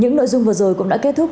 những nội dung vừa rồi cũng đã kết thúc